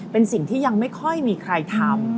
เป็นสิ่งที่ยังไม่ค่อยมีใครทำ